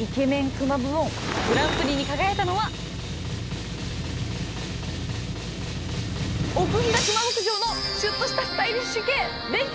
イケメンクマ部門グランプリに輝いたのは奥飛騨クマ牧場のシュッとしたスタイリッシュ系蓮君